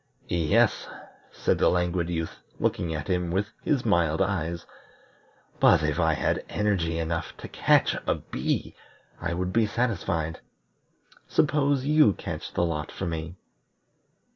"Yes," said the Languid Youth, looking at him with his mild eyes, "but if I had energy enough to catch a bee I would be satisfied. Suppose you catch a lot for me."